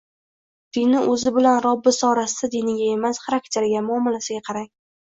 Dini o‘zi bilan Robbisi orasida, diniga emas xarakteriga, muomilasiga qarang.